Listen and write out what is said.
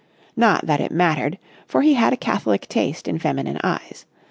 Not that it mattered, for he had a catholic taste in feminine eyes.